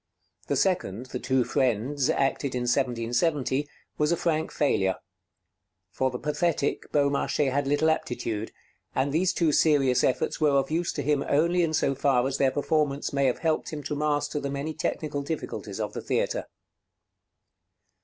The second, 'The Two Friends,' acted in 1770, was a frank failure. For the pathetic, Beaumarchais had little aptitude; and these two serious efforts were of use to him only so far as their performance may have helped him to master the many technical difficulties of the theatre.